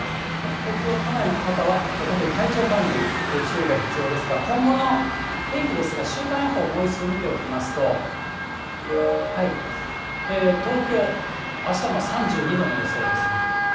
東京都内の方は特に体調管理、注意が必要ですが、今後の天気ですが、週間予報もう一度見ておきますと、東京、あしたも３２度の予想です。